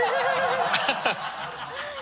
ハハハ